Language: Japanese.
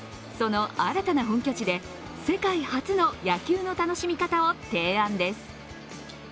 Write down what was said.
その新たな本拠地で、世界初の野球の楽しみ方を提案です。